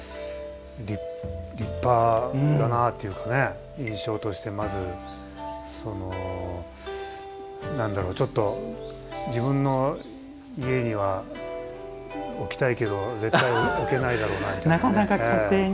立派だなっていうかね印象として、まずちょっと自分の家には置きたいけど絶対置けないだろうなというね。